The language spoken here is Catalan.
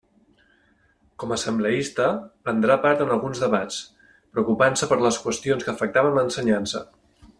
Com assembleista prendrà part en alguns debats, preocupant-se per les qüestions que afectaven l’ensenyança.